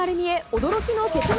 驚きの結末